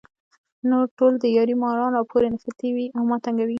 نو ټول دیاړي ماران راپورې نښتي وي ـ او ما تنګوي